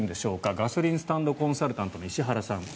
ガソリンスタンドコンサルタントの石原さん。